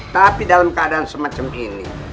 tapi dalam keadaan semacam ini